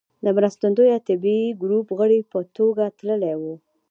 د مرستندويه طبي ګروپ غړي په توګه تللی و.